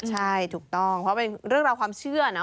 ใช่ถูกต้องเพราะเป็นเรื่องราวความเชื่อเนอ